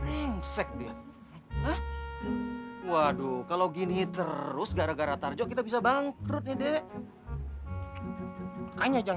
ini adalah tujuan yang seharusnya dibayar sekarang